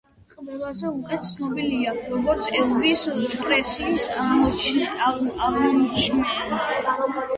ყველაზე უკეთ ცნობილია, როგორც ელვის პრესლის აღმომჩენი.